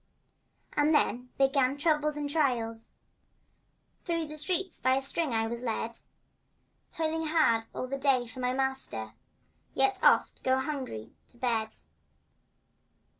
And then began troubles and trials— Through the streets by a string I was led; Toiling hard all the day for my master, Yet oft going hungry to bed.